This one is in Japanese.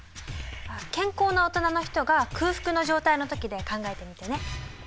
健康な大人の人が空腹の状態の時で考えてみてね。